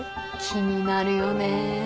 気になるよね。